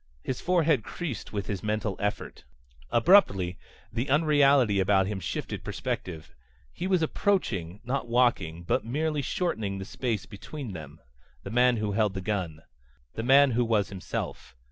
His forehead creased with his mental effort. Abruptly the unreality about him shifted perspective. He was approaching not walking, but merely shortening the space between them the man who held the gun. The man who was himself.